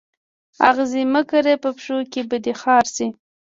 آغزي مه کره په پښو کي به دي خار سي